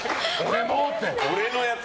俺のやつ！